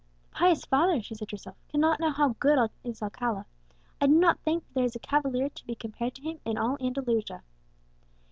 "The pious father," she said to herself, "cannot know how good is Alcala; I do not think that there is a cavalier to be compared to him in all Andalusia."